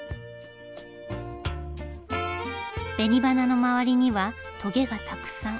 紅花の周りにはトゲがたくさん。